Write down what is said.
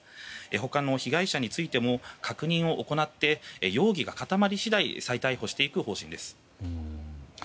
他の被害者についても確認を行って容疑が固まり次第再逮捕していく方針です。